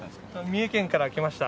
三重県から来ました。